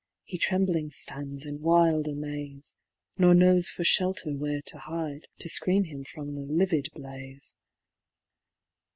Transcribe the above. He trembling (lands in wild amaze ; Kor knows for fhelter where to hide, To fcreen him from the livid blaze.